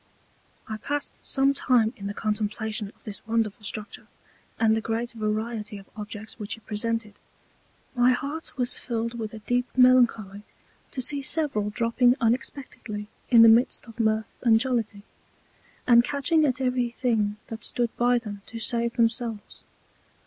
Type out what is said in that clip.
I passed some Time in the Contemplation of this wonderful Structure, and the great Variety of Objects which it presented. My heart was filled with a deep Melancholy to see several dropping unexpectedly in the midst of Mirth and Jollity, and catching at every thing that stood by them to save themselves.